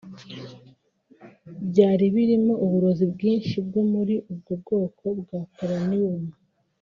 byari birimo uburozi bwinshi bwo muri ubwo bwoko bwa polonium